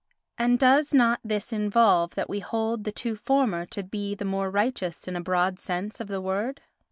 And does not this involve that we hold the two former to be the more righteous in a broad sense of the word?